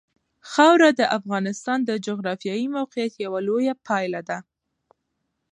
خاوره د افغانستان د جغرافیایي موقیعت یوه لویه پایله ده.